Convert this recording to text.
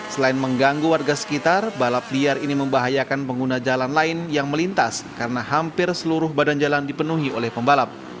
selain mengganggu warga sekitar balap liar ini membahayakan pengguna jalan lain yang melintas karena hampir seluruh badan jalan dipenuhi oleh pembalap